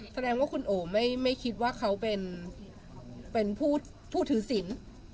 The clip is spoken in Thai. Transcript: อืมแสดงว่าคุณโอมไม่ไม่คิดว่าเขาเป็นเป็นผู้ผู้ถือสิน